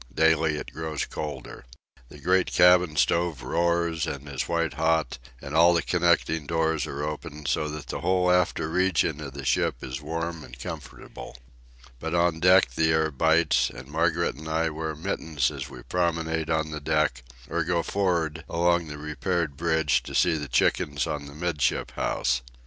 Daily it grows colder. The great cabin stove roars and is white hot, and all the connecting doors are open, so that the whole after region of the ship is warm and comfortable. But on the deck the air bites, and Margaret and I wear mittens as we promenade the poop or go for'ard along the repaired bridge to see the chickens on the 'midship house.